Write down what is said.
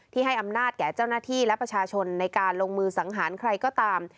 ให้อำนาจแก่เจ้าหน้าที่และประชาชนในการลงมือสังหารใครก็ตาม